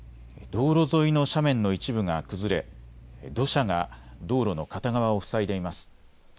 道路沿いの斜面の一部が崩れ土砂が道路の片側を塞いでいます。